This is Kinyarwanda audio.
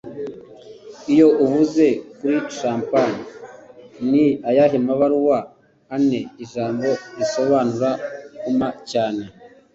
Iyo Uvuze Kuri Champagne Ni ayahe mabaruwa ane Ijambo risobanura Kuma cyane?